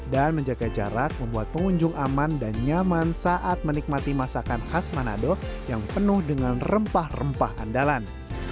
dan menjaga jarak membuat pengunjung aman dan nyaman saat menikmati masakan khas manado yang penuh dengan kemampuan